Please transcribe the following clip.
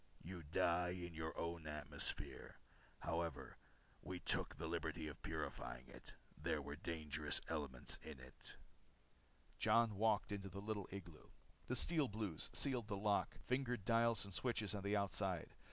You die in your own atmosphere. However, we took the liberty of purifying it. There were dangerous elements in it." Jon walked into the little igloo. The Steel Blues sealed the lock, fingered dials and switches on the outside.